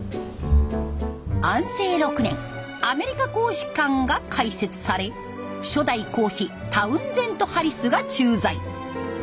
安政６年アメリカ公使館が開設され初代公使タウンゼント・ハリスが駐在。